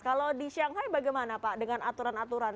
kalau di shanghai bagaimana pak dengan aturan aturan